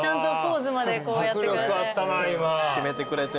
決めてくれて。